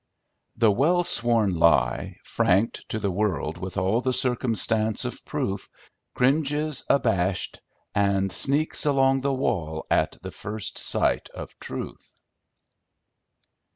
"The well sworn Lie, franked to the world with all The circumstance of proof, Cringes abashed, and sneaks along the wall At the first sight of Truth."